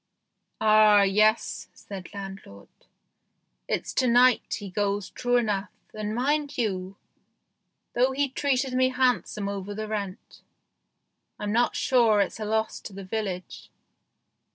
" Ah, yes," said landlord, " it's to night he goes true enough, and, mind you, though he treated me handsome over the rent, I'm not sure it's a loss to the village.